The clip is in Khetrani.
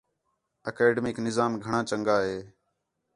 اکیڈمک نظام گھݨاں چَنڳا ہِے